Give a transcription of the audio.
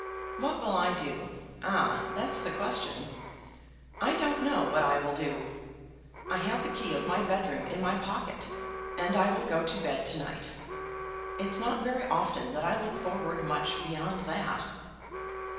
"What will I do? Ah! That's the question. I don't know what I will do. I have the key of my bedroom in my pocket, and I will go to bed to night. It's not very often that I look forward much beyond that."